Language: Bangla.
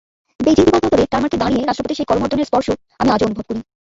বেইজিং বিমানবন্দরের টারমার্কে দাঁড়িয়ে রাষ্ট্রপতির সেই করমর্দনের স্পর্শ আমি আজও অনুভব করি।